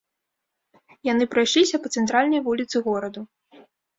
Яны прайшліся па цэнтральнай вуліцы гораду.